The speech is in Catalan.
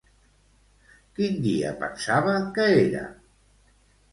Quin dia pensava que era?